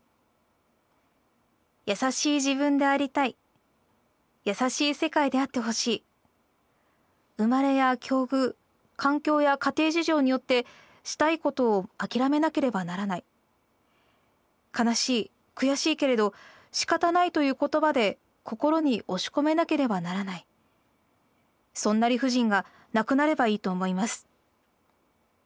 「優しい自分でありたい優しい世界であってほしい生まれや境遇環境や家庭事情によってしたいことを諦めなければならない悲しい悔しいけれど仕方ないという言葉で心に押し込めなければならないそんな理不尽が無くなればいいと思います。